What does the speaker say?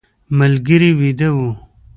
ملګري ویده و.